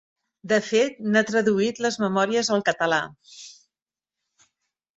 De fet, n'ha traduït les memòries al català.